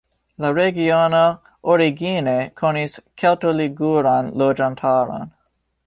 La regiono origine konis kelto-liguran loĝantaron.